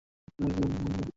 আসলে, আমিও একটু বিভ্রান্ত।